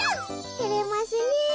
てれますねえ。